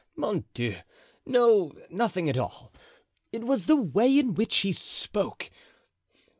"Oh, mon Dieu! no, nothing at all. It was the way in which he spoke.